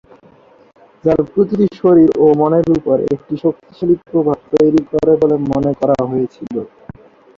যার প্রতিটি শরীর ও মনের উপর একটি শক্তিশালী প্রভাব তৈরী করে বলে মনে করা হয়েছিল।